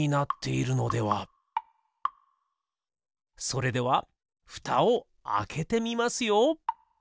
それではふたをあけてみますよ。